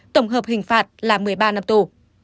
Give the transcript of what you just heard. tổng hợp hình phạt là một mươi ba năm tù